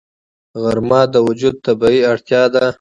غرمه د وجود طبیعي اړتیا ده